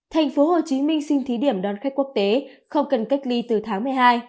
thành phố hồ chí minh xin thí điểm đón khách quốc tế không cần cách ly từ tháng một mươi hai